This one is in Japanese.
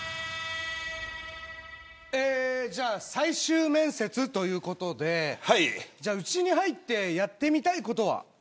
じゃあ、最終面接ということでうちに入ってやってみたいことは。